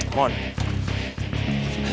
jangan kerja siantai